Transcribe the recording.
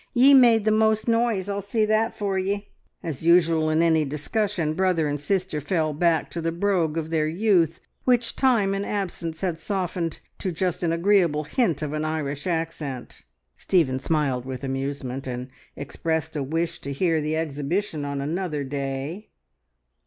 Ye made the most noise, I'll say that for ye!" As usual in any discussion, brother and sister fell back to the brogue of their youth, which time and absence had softened to just an agreeable hint of an Irish accent. Stephen smiled with amusement, and expressed a wish to hear the exhibition on another day.